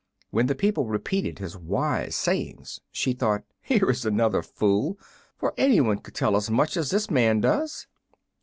When the people repeated his wise sayings she thought, "Here is another fool, for any one could tell as much as this man does."